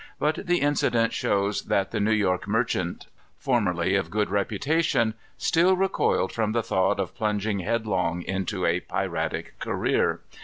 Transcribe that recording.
But the incident shows that the New York merchant, formerly of good reputation, still recoiled from the thought of plunging headlong into a piratic career.